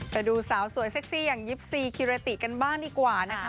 ไปดูสาวสวยเซ็กซี่อย่างยิปซีคิเรติกันบ้างดีกว่านะคะ